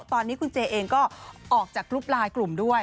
ตอนนี้คุณเจเองก็ออกจากกรุ๊ปไลน์กลุ่มด้วย